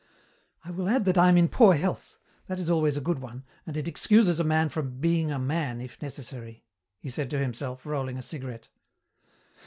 "I will add that I am in poor health. That is always a good one, and it excuses a man from 'being a man' if necessary," he said to himself, rolling a cigarette.